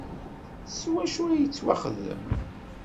S wacu ay yettwaxdem?